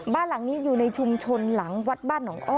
บ้านหลังนี้อยู่ในชุมชนหลังวัดบ้านหนองอ้อ